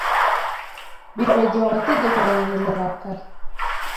Bibagiwe amategeko yanjye ndarakara